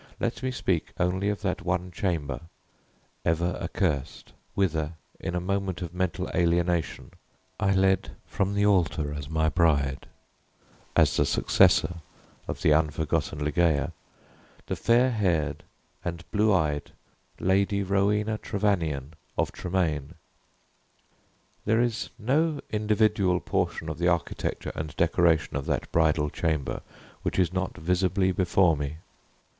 Let me speak only of that one chamber, ever accursed, whither, in a moment of mental alienation, I led from the altar as my bride as the successor of the unforgotten Ligeia the fair haired and blue eyed Lady Rowena Trevanion, of Tremaine. There is no individual portion of the architecture and decoration of that bridal chamber which is not visibly before me.